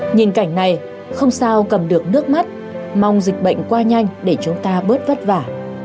nhìn cảnh này không sao cầm được nước mắt mong dịch bệnh qua nhanh để chúng ta bớt vất vả